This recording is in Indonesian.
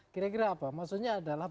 kira kira apa maksudnya adalah